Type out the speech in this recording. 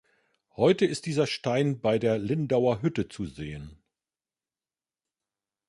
Heute ist dieser Stein bei der Lindauer Hütte zu sehen.